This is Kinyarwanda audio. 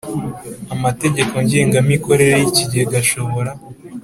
Amategeko ngengamikorere y ikigega ashobora